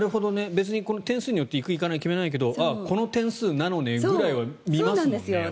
別に点数によって行くか行かないか決めないけどこの点数なのね、ぐらいは見ますよね。